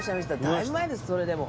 だいぶ前ですそれでも。